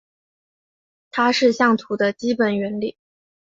它是相图的基本原理。